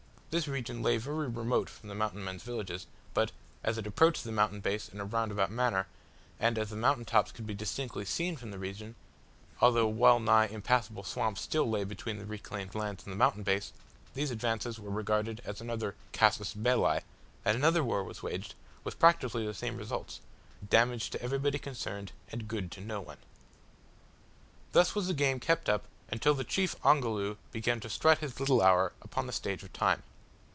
This region lay very remote from the Mountain men's villages, but, as it approached the mountain base in a round about manner, and as the mountain tops could be distinctly seen from the region, although well nigh impassable swamps still lay between the reclaimed lands and the mountain base, these advances were regarded as another casus belli, and another war was waged, with practically the same results damage to everybody concerned, and good to no one. Thus was the game kept up until the chief Ongoloo began to strut his little hour upon the stage of time.